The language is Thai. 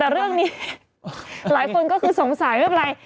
แต่เรื่องนี้หลายคนก็คือสงสัยไม่เป็นไร